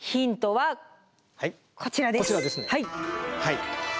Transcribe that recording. はい。